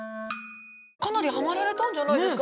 かなりハマられたんじゃないですか？